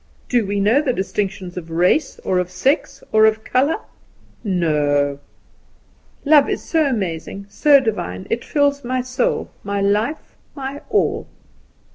Do we know distinctions of race, or of sex, or of colour? No! "'Love so amazing, so divine, It fills my soul, my life, my all.